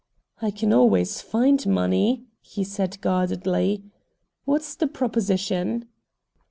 "I can always find money," he said guardedly. "What's the proposition?"